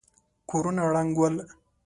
کورونه ړنګ ول.